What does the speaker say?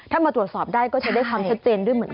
ถ้ามาตรวจสอบได้ก็จะได้ความชัดเจนด้วยเหมือนกัน